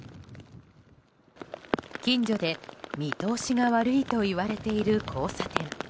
近所で、見通しが悪いといわれている交差点。